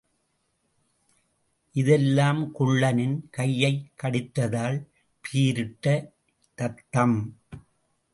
இதெல்லாம் குள்ளனின் கையைக் கடித்ததால் பீரிட்ட ரத்தம்.